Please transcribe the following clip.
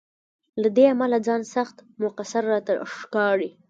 له دې امله ځان سخت مقصر راته ښکاري.